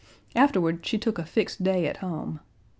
Afterward, she took a fixed day at home.